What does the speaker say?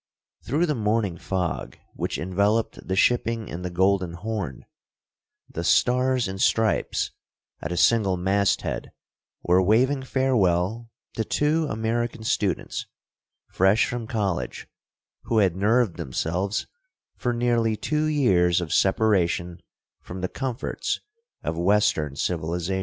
Through the morning fog which enveloped the shipping in the Golden Horn, the "stars and stripes" at a single masthead were waving farewell to two American students fresh from college who had nerved themselves for nearly two years of separation from the comforts of western civilization.